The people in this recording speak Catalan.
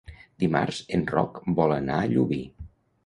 Dimarts en Roc vol anar a Llubí.